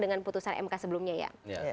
dengan putusan mk sebelumnya ya